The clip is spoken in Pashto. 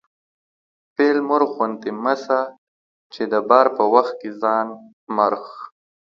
فيل مرغ غوندي مه سه چې د بار په وخت کې ځان مرغ